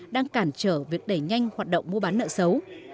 đang cản trở việc đẩy nhanh hoạt động mua bán nợ xấu